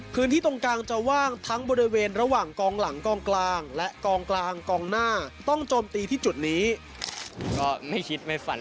คืนที่ตรงกลางจะว่างทั้งบริเวณระหว่างกองหลังกองกลางและกองกลางกองหน้าต้องจมตีที่จุดนี้